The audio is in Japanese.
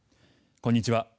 こんにちは。